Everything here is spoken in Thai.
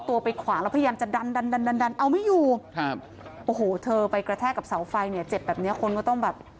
โอ้โหเธอไปกระแทกกับเสาไฟเนี่ยเจ็บแบบนี้คนก็ต้องแบบ